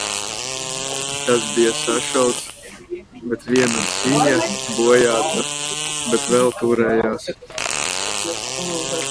Tas bija sašauts, bet viena sija, bojāta, bet vēl turējās.